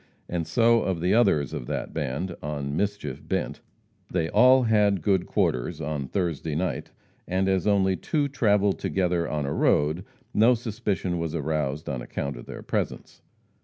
And so of the others of that band "on mischief bent" they all had good quarters on Thursday night, and as only two travelled together on a road, no suspicion was aroused on account of their presence.